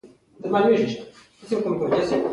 ما د کور ور جوړ کړ.